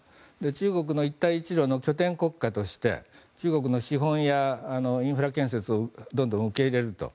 中国の一帯一路の拠点国家として中国の資本やインフラ建設をどんどん受け入れると。